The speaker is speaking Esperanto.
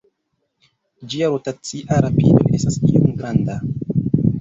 Ĝia rotacia rapido estas iom granda.